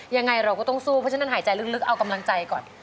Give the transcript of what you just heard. ยังไงเราก็ต้องสู้เพราะฉะนั้นหายใจลึกเอากำลังใจก่อน